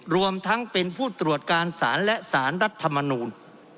รวมทั้งเป็นผู้ตรวจการสารและสารรัฐมนูล